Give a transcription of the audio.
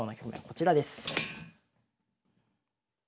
こちらです。